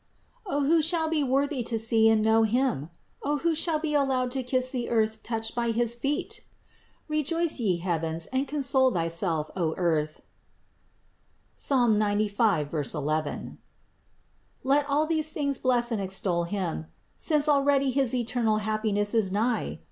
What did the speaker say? O, who shall be worthy to see and know Him! O, who shall be allowed to kiss the earth touched by his feet!" 117. "Rejoice, ye heavens, and console thyself, O earth (Ps. 95, 11) ; let all things bless and extol Him, since already his eternal happiness is nigh